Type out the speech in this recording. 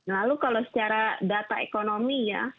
lalu kalau secara data ekonomi ya